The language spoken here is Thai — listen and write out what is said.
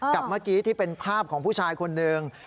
กับเมื่อกี้ที่เป็นภาพของผู้ชายคนหนึ่ง